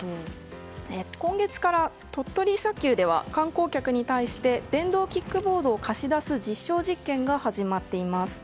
今月から鳥取砂丘では観光客に対して電動キックボードを貸し出す実証実験が始まっています。